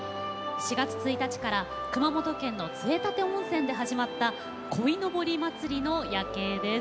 ４月１日から熊本県の杖立温泉で始まった鯉のぼり祭りの夜景です。